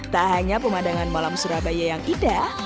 tak hanya pemandangan malam surabaya yang indah